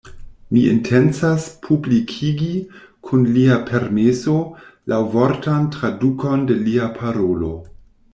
Mi intencas publikigi, kun lia permeso, laŭvortan tradukon de lia parolo.